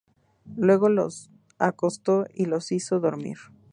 Luego los acostó y los hizo dormir.